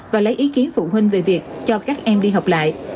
và lấy ý kiến phụ huynh về việc cho các em đi học lại